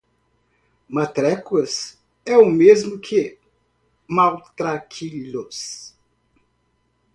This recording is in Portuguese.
"Matrecos" é o mesmo que "matraquilhos".